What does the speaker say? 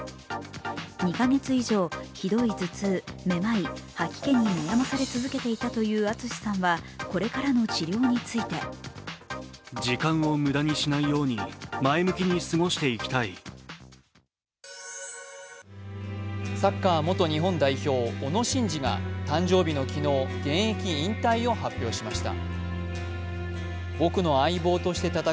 ２か月以上、ひどい頭痛、めまい吐き気に悩まされ続けていたというＡＴＳＵＳＨＩさんはこれからの治療についてサッカー元日本代表・小野伸二が誕生日の昨日、現役引退を発表しました。